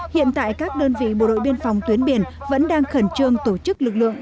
hiện tại các đơn vị bộ đội biên phòng tuyến biển vẫn đang khẩn trương tổ chức lực lượng